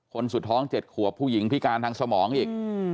สุดท้อง๗ขวบผู้หญิงพิการทางสมองอีก